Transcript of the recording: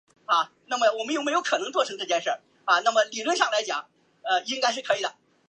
设备探测及驱动加载